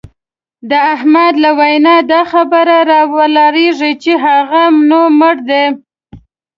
د احمد له وینا دا خبره را ولاړېږي چې هغه نور مړ دی.